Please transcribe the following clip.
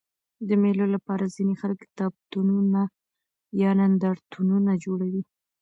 د مېلو له پاره ځيني خلک کتابتونونه یا نندارتونونه جوړوي.